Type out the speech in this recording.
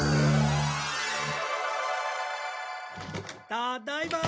たっだいま！